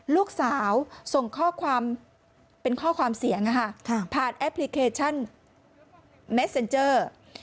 ลูกสาวส่งข้อความเป็นข้อความเสียงผ่านแอปพลิเคชันเมสเซ็นเจอร์